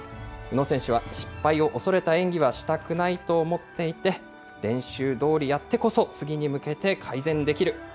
宇野選手は、失敗を恐れた演技はしたくないと思っていて、練習どおりやってこそ、次に向けて改善できる。